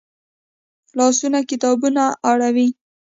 لاسونه کتابونه اړوي